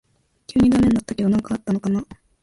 急にダメになったけど何かあったのかな